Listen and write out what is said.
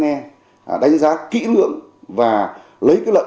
nghe đánh giá kỹ lưỡng và lấy cái lợi